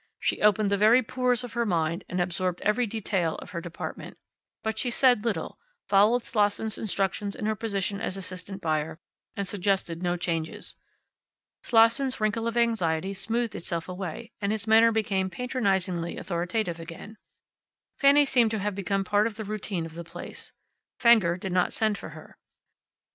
She opened the very pores of her mind and absorbed every detail of her department. But she said little, followed Slosson's instructions in her position as assistant buyer, and suggested no changes. Slosson's wrinkle of anxiety smoothed itself away, and his manner became patronizingly authoritative again. Fanny seemed to have become part of the routine of the place. Fenger did not send for her.